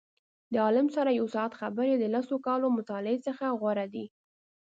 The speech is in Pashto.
د عالم سره یو ساعت خبرې د لسو کالو مطالعې څخه غوره دي.